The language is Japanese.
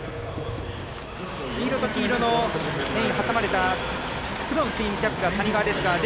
黄色と黄色に挟まれた黒のスイムキャップが谷川ですが